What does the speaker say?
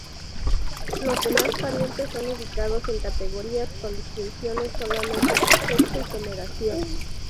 Los demás parientes son ubicados en categorías, con distinciones solamente por sexo y generación.